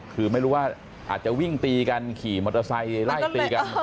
คือไม่รู้ว่าอาจจะวิ่งตีกันขี่มอเตอร์ไซค์ไล่ตีกัน